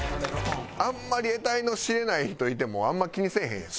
あんまり得体の知れない人いてもあんま気にせえへんやん。